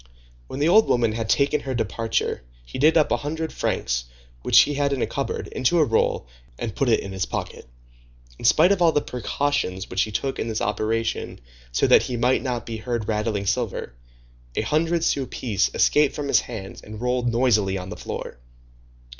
When the old woman had taken her departure, he did up a hundred francs which he had in a cupboard, into a roll, and put it in his pocket. In spite of all the precautions which he took in this operation so that he might not be heard rattling silver, a hundred sou piece escaped from his hands and rolled noisily on the floor.